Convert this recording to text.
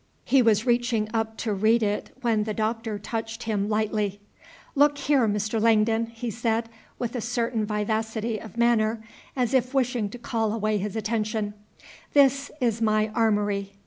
He was reaching up to read it when the Doctor touched him lightly. "Look here, Mr. Langdon!" he said, with a certain vivacity of manner, as if wishing to call away his attention, "this is my armory."